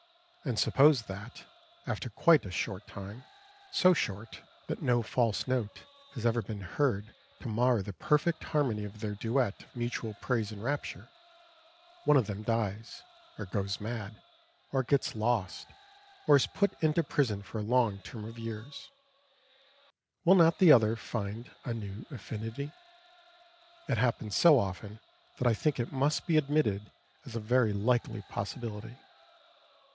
And suppose that, after quite a short time, so short that no false note has ever been heard to mar the perfect harmony of their duet of mutual praise and rapture, one of them dies, or goes mad, or gets lost, or is put into prison for a long term of years; will not the other find a new affinity? It happens so often that I think it must be admitted as a very likely possibility.